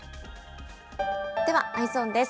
では、Ｅｙｅｓｏｎです。